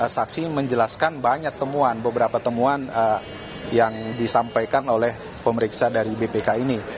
saksi menjelaskan banyak temuan beberapa temuan yang disampaikan oleh pemeriksa dari bpk ini